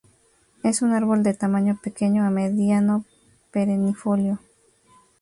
Es un árbol de tamaño pequeño a mediano perennifolio.